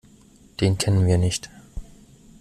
Den kennen wir nicht.